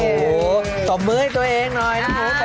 โอ้โหตบมือให้ตัวเองหน่อยนะหนู